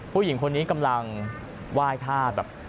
ผู้หญิงคนนี้กำลังไหว้ท่าแบบ